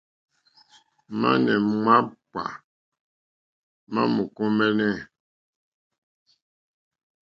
Mane makpà ma mò kombεnε.